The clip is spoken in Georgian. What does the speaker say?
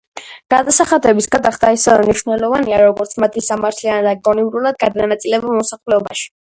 გადასახადების გადახდა ისევე მნიშვნელოვანია, როგორც მათი სამართლიანად და გონივრულად გადანაწილება მოსახლეობაში.